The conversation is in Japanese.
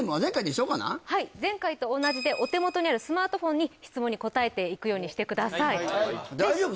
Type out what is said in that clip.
はい前回と同じでお手元にあるスマートフォンに質問に答えていくようにしてください大丈夫？